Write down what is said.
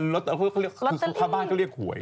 รถข้าวบ้านก็เรียกหวย